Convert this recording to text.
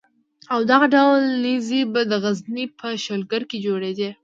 او دغه ډول نېزې به د غزني په شلګر کې جوړېدې.